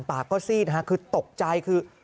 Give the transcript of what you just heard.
ปากก็ซีดนะฮะคือตกใจ